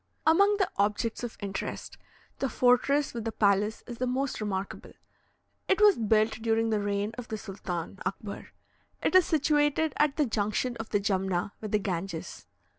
Among the objects of interest, the fortress with the palace is the most remarkable. It was built during the reign of the Sultan Akbar. It is situated at the junction of the Jumna with the Ganges.